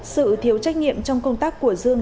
sự thiếu trách nhiệm trong công tác của dương